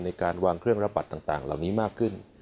ในการวางเครื่องระบัตรต่างเหล่านี้มากขึ้น